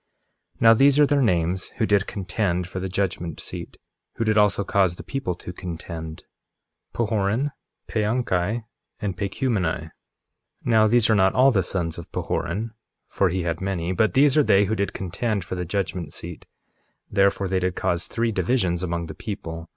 1:3 Now these are their names who did contend for the judgment seat, who did also cause the people to contend: Pahoran, Paanchi, and Pacumeni. 1:4 Now these are not all the sons of Pahoran, (for he had many) but these are they who did contend for the judgment seat; therefore, they did cause three divisions among the people.